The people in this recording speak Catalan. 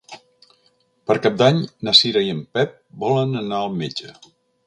Per Cap d'Any na Cira i en Pep volen anar al metge.